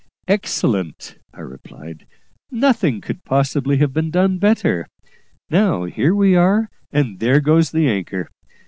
"Excellently," I replied; "nothing could possibly have been done better. Now, here we are, and there goes the anchor.